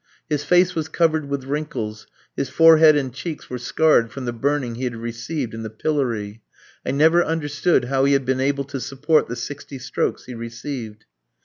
His face was covered with wrinkles, his forehead and cheeks were scarred from the burning he had received in the pillory. I never understood how he had been able to support the sixty strokes he received.